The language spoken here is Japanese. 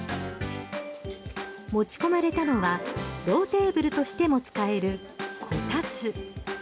持ち込まれたのはローテーブルとしても使えるこたつ。